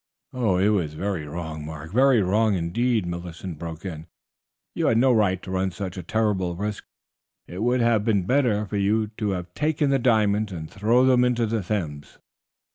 "It was very wrong, Mark; very wrong indeed," Millicent broke in. "You had no right to run such a terrible risk; it would have been better for you to have taken the diamonds and thrown them into the Thames."